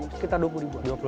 sekitar dua puluh ribuan